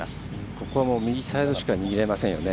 ここも右サイドしか逃げられませんよね。